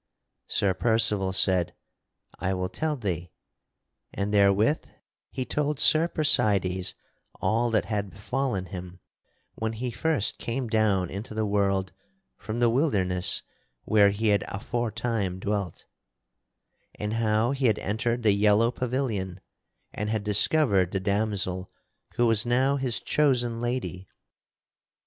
Sir Percival said, "I will tell thee"; and therewith he told Sir Percydes all that had befallen him when he first came down into the world from the wilderness where he had aforetime dwelt, and how he had entered the yellow pavilion and had discovered the damosel who was now his chosen lady.